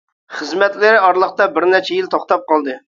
خىزمەتلىرى ئارىلىقتا بىرنەچچە يىل توختاپ قالدى.